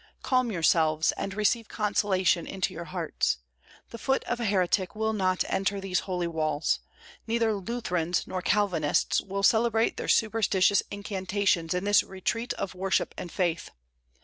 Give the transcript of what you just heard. Calm yourselves, and receive consolation into your hearts. The foot of a heretic will not enter these holy walls. Neither Lutherans nor Calvinists will celebrate their superstitious incantations in this retreat of worship and faith.